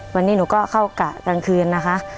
วันนี้หนูก็เข้ากะกลางคืนนะคะ